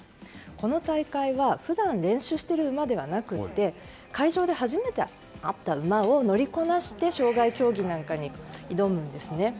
この大会は、普段練習している馬ではなくて会場で初めて会った馬を乗りこなして障害競技なんかに挑むんですね。